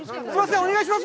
お願いします。